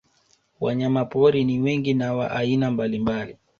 Wanyamapori ni wengi na wa aina mbalimbali